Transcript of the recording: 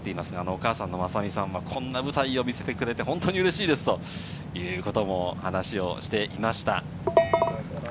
お母さんのまさみさんはこんな舞台を見せてくれて、本当にうれしいですと話していました。